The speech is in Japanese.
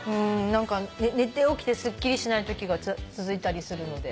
何か寝て起きてすっきりしないときが続いたりするので。